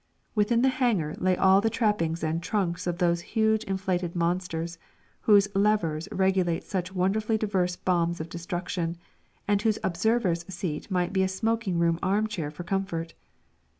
Within the hangar lay all the trappings and trunks of those huge inflated monsters, whose levers regulate such wonderfully diverse bombs of destruction, and whose observer's seat might be a smoking room arm chair for comfort.